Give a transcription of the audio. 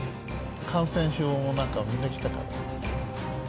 感染症もなんかみんな来たから。